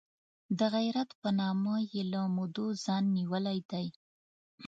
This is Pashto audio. د غیرت په نامه یې له مودو ځان نیولی دی.